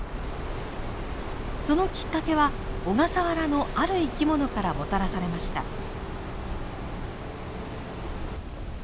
そのきっかけは小笠原のある生き物からもたらされました。